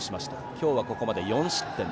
今日はここまで４失点。